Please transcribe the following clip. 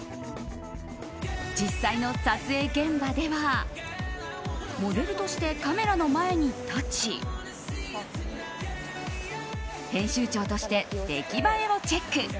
実際の撮影現場ではモデルとしてカメラの前に立ち編集長として出来栄えをチェック。